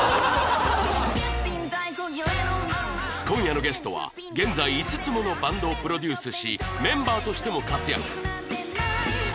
今夜のゲストは現在５つものバンドをプロデュースしメンバーとしても活躍